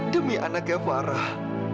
demi anaknya farah